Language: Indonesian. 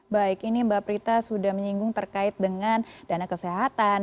baik ini mbak prita sudah menyinggung terkait dengan dana kesehatan